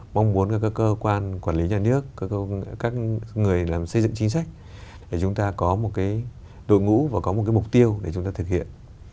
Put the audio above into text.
mong muốn các cơ quan quản lý nhà nước các người làm xây dựng chính sách để chúng ta có một cái đội ngũ và có một cái mục tiêu để chúng ta thực hiện